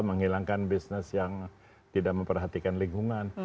menghilangkan bisnis yang tidak memperhatikan lingkungan